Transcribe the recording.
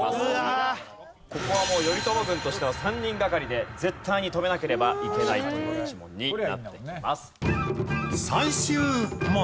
ここはもう頼朝軍としては３人がかりで絶対に止めなければいけないという１問になってきます。